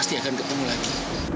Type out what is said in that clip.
pasti akan ketemu lagi